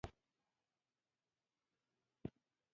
ستاسو ژوند په تصادفي توګه نه ښه کېږي.